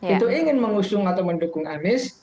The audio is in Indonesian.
itu ingin mengusung atau mendukung anies